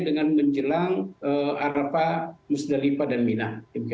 dengan menjelang arafah musdalifah dan mina